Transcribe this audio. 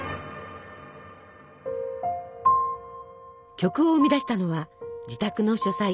曲を生み出したのは自宅の書斎。